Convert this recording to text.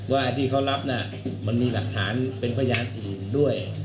ว่าที่เขารับน่ะมันมีหลักฐานเป็นพยานอื่นด้วย